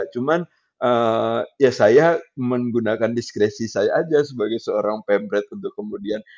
cuman ya saya menggunakan diskresi saya aja sebagai seorang pemret untuk kemudian